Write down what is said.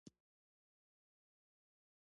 ساه يې تازه شوه.